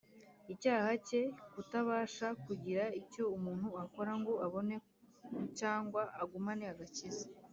icyaha cye, kutabasha kugira icyo umuntu akora ngo abone cyangwa agumane agakiza,